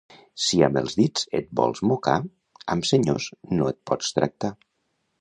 Si amb els dits et vols mocar, amb senyors no et pots tractar.